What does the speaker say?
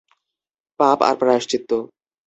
পাপ আর প্রায়শ্চিত্ত।